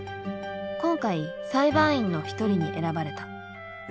今回裁判員の一人に選ばれた。